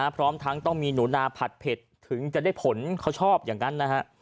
พร้อมทั้งต้องมีหนูนาผัดเผ็ดถึงจะได้ผลเขาชอบอย่างนั้นนะฮะ